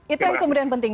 itu yang kemudian penting